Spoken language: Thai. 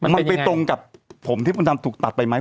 มันไปตรงกับผมที่ผมตัดไปไหม